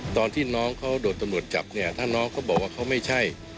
ตอนที่น้องเขาโดนตำรวจจับเนี่ยถ้าน้องเขาบอกว่าเขาไม่ใช่